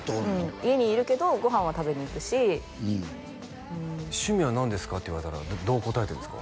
家にいるけどご飯は食べに行くし趣味は何ですか？って言われたらどう答えてるんですか？